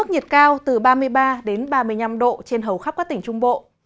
nhiệt cao từ ba mươi ba đến ba mươi năm độ trên hầu khắp các tỉnh trung bộ